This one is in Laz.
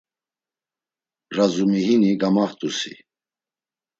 Razumihini gamaxt̆usi.